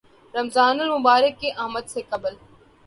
رمضان المبارک کی آمد سے قبل